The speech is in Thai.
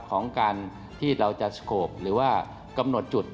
ของการที่เราจะสโกบหรือว่ากำหนดจุด